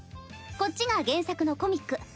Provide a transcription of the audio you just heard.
こっちが原作のコミック。